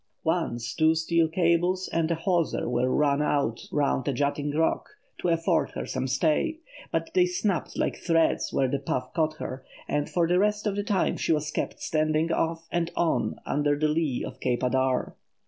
Once, two steel cables and a hawser were run out round a jutting rock to afford her some stay, but they snapped like threads when the puff caught her, and for the rest of the time she was kept standing off and on under the lee of Cape Adare.